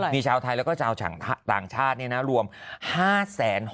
มีชาวไทยแล้วก็ชาวต่างชาติรวม๕๖๐๐